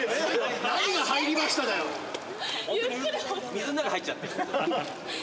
水ん中入っちゃってる。